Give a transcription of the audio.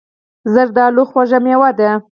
زردالو خوږه مېوه ده.